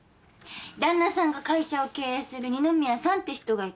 旦那さんが会社を経営する二ノ宮さんって人がいてね